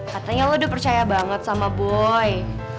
katanya lo udah percaya banget sama boy